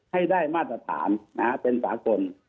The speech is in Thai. ให้ได้มาตรฐานเป็นสากล